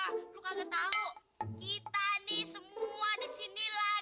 eee lu kaget tau kita nih semua disini lagi ada program demo